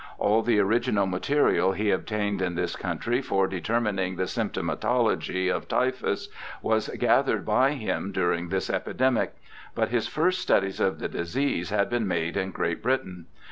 All the original material he obtained m this country for determining the symptomatology of typhus was gathered by him during this epidemic ; but his first studies of the disease had been made in Great Britain.